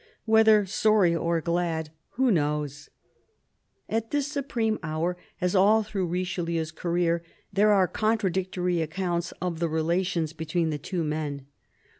Whether sorry or glad, who knows ! At this supreme hour, as all through Richelieu's career, there are contradictory accounts of the relations between the two men.